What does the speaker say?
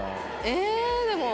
え？